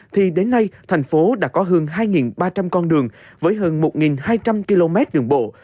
thì đến nay thành phố đã có hơn hai ba trăm linh con đường với hơn một hai trăm linh km đường bộ